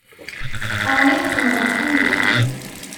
Ɛni teqqneḍ lḥenni?